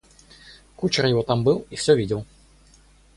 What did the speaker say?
Кучер его там был и всё видел.